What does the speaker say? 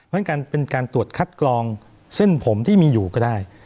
มันก็เป็นการตรวจคัดกรองเส้นผมที่มีอยู่ก็ได้